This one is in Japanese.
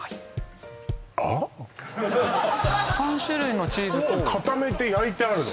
３種類のチーズとを固めて焼いてあるの？